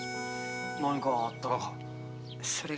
何かあったがか？